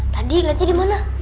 tadi liatnya dimana